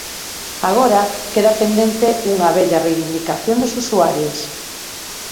Agora, queda pendente unha vella reivindicación dos usuarios.